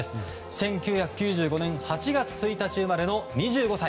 １９９５年８月１日生まれの２５歳。